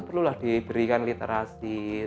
perlu diberikan literasi